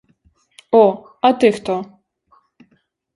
О, а то хто?